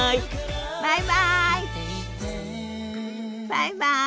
バイバイ！